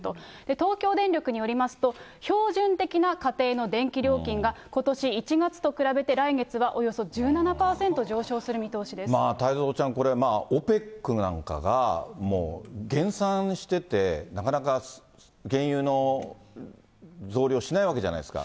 東京電力によりますと、標準的な家庭の電気料金がことし１月と比べて来月はおよそ１７％太蔵ちゃん、これ、ＯＰＥＣなんかがもう減産してて、なかなか原油の増量しないわけじゃないですか。